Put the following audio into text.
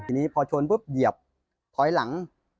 ทีนี้พอชนเหยียบเท้าหลัง